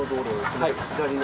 はい。